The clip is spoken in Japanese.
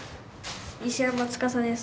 西山司紗です。